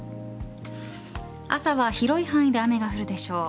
朝は広い範囲で雨が降るでしょう。